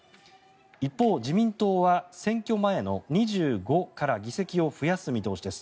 一方、自民党は選挙前の２５から議席を増やす見通しです。